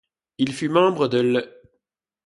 Il fut membre de l'.